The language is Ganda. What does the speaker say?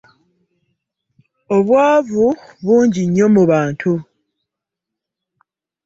Obwanvu bungi nnyo mu bantu.